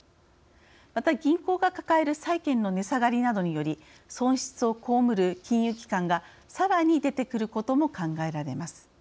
また、銀行が抱える債券の値下がりなどにより損失をこうむる金融機関がさらに出てくることも考えられます。